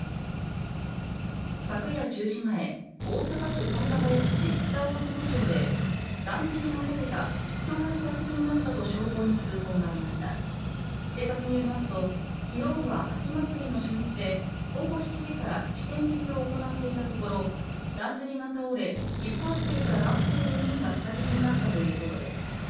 昨夜１０時前大阪府富田林市北大伴町でだんじりがこけた人が下敷きになったと消防に通報がありました警察によりますと昨日は秋祭りの初日で午後７時から試験曳きを行っていたところだんじりが倒れ引っ張っていた男性４人が下敷きになったということです